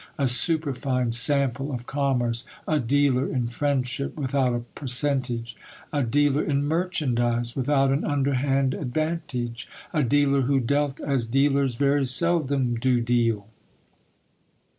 A superfine sample of commerce ! A dealer in friendship without a per centage ! A dealer in merchandise without an underhand advantage ! A dealer who dealt as dealers very seldom do deal